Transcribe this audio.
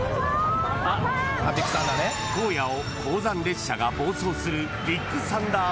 ［荒野を鉱山列車が暴走する］